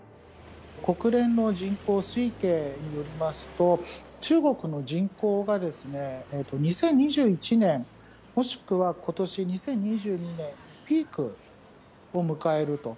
国連の人口推計によりますと、中国の人口が２０２１年、もしくはことし・２０２２年、ピークを迎えると。